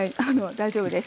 大丈夫です。